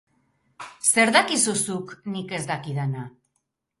Zer dakizu zuk nik ez dakidana?